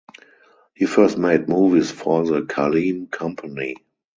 He first made movies for the Kalem Company.